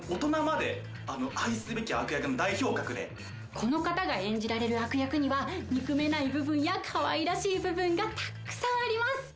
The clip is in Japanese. この方が演じられる悪役には憎めない部分や可愛らしい部分がたくさんあります！